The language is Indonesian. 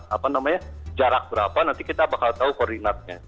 apa namanya jarak berapa nanti kita bakal tahu koordinatnya